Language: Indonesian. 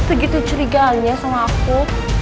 begitu curiga aja sama aku